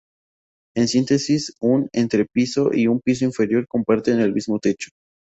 En síntesis, un entrepiso y su piso inferior comparten el mismo techo.